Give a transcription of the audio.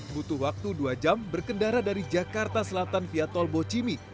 butuh waktu dua jam berkendara dari jakarta selatan via tol bocimi